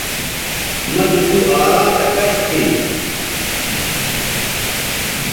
مہ زو تُوآراں تھا کش کھئ